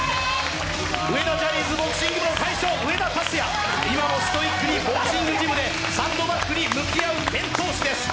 上田ジャニーズボクシング部の上田竜也、今もストイックにボクシングジムでサンドバッグに向き合っています。